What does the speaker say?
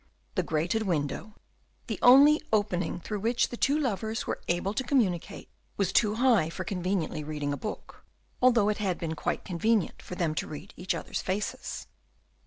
The grated window, the only opening through which the two lovers were able to communicate, was too high for conveniently reading a book, although it had been quite convenient for them to read each other's faces.